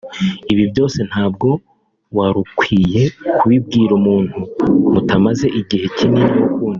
ibyo byose ntabwo warukwiye kubibwira umuntu mutamaze igihe kinini mukundanye